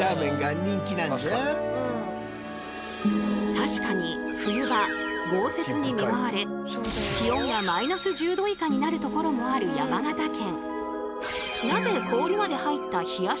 確かに冬場豪雪に見舞われ気温がマイナス１０℃以下になるところもある山形県。